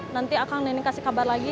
nanti akang neneng kasih kabar lagi